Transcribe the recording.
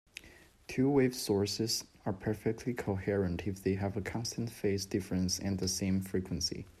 Two-wave sources are perfectly coherent if they have a constant phase difference and the same frequency.